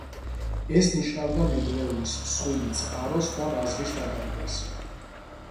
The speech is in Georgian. ეს ნიშნავდა ნედლეულის მსხვილი წყაროს და ბაზრის დაკარგვას.